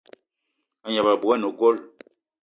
A gneb abui ane gold.